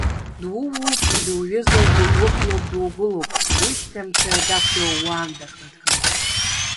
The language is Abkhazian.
Дууоуп, дуҩызоуп, дегьуқәлоуп, дугәылоуп, ушьҭамҭа дақәшәиуа уаанда аҟны дгылоуп.